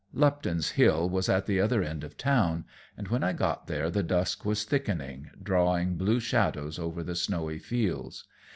Lupton's Hill was at the other end of town, and when I got there the dusk was thickening, drawing blue shadows over the snowy fields.